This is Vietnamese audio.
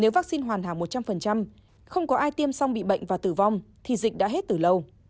nếu vaccine hoàn hảo một trăm linh không có ai tiêm xong bị bệnh và tử vong thì dịch đã hết từ lâu